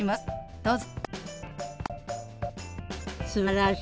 どうぞ。